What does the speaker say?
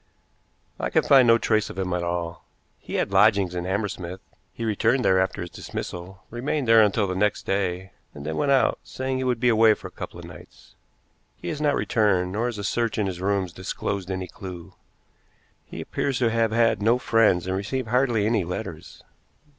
"I can find no trace of him at all. He had lodgings in Hammersmith. He returned there after his dismissal, remained there until the next day, and then went out, saying he would be away for a couple of nights. He has not returned; nor has a search in his rooms disclosed any clew. He appears to have had no friends and received hardly any letters."